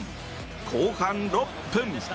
後半６分。